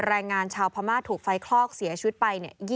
แรงงานชาวพม่าถูกไฟคลอกเสียชีวิตไป